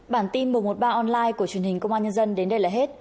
bản tin một trăm một mươi ba online của truyền hình công an nhân dân đến đây là hết